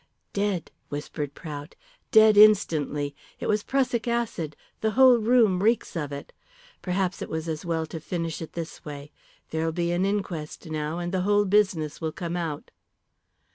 "Dead," whispered Prout, "dead instantly. It was prussic acid. The whole room reeks of it. Perhaps it was as well to finish it this way. There'll be an inquest now, and the whole business will come out."